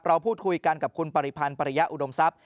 เราพูดคุยกันกับคุณปริพันธ์ปริยะอุดมทรัพย